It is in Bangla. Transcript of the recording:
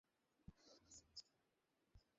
কি বললো ব্যাংক ম্যানেজার?